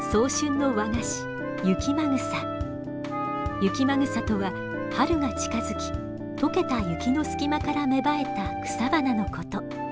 雪間草とは春が近づき解けた雪の隙間から芽生えた草花のこと。